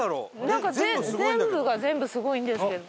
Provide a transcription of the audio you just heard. なんか全部が全部すごいんですけど。